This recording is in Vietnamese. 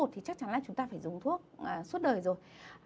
thì chắc chắn là chúng ta phải dùng thuốc đời rồi